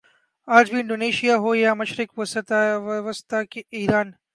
آج بھی انڈونیشیا ہو یا مشرق وسطی ایران